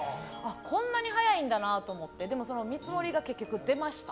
こんなに早いんだなと思って見積もりが結局出ました。